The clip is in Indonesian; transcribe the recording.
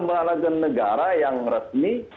lembaga negara yang resmi